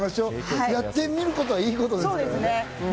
やってみることはいいことですからね。